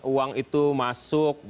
uang itu masuk